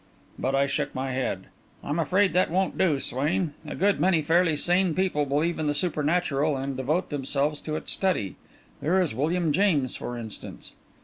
But I shook my head. "I'm afraid that won't do, Swain. A good many fairly sane people believe in the supernatural and devote themselves to its study there is William James, for instance."